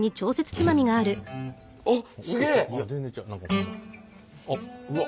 あっすげえ！